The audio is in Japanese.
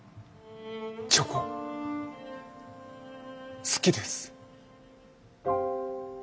チョコ好きです。